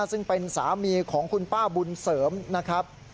ซึ่งเป็นสามีของคุณป้าบุญเสริมนะครับ